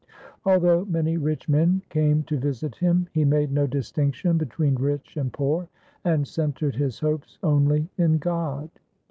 Although many rich men came to visit him, he made no distinction between rich and poor, and centred his hopes only in God.